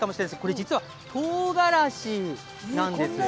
実はこれ、とうがらしなんです。